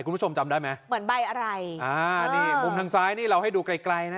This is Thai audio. คุณผู้ชมจำได้ไหมเหมือนใบอะไรอ่านี่มุมทางซ้ายนี่เราให้ดูไกลไกลนะ